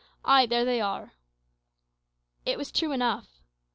Ay, there they are." It was true enough.